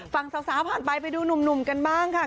ฝั่งสาวผ่านไปไปดูหนุ่มกันบ้างค่ะ